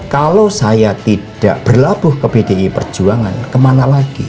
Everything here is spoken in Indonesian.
kalau saya tidak berlabuh ke pdi perjuangan kemana lagi